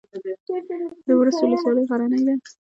د ورس ولسوالۍ غرنۍ ده